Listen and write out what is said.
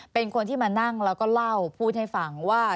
เป็นคนที่มานั่งแล้วก็เล่าพูดให้ฟังว่า